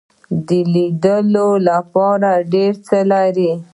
د لیدلو لپاره ډیر څه لري.